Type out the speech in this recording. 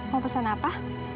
mau pesan apa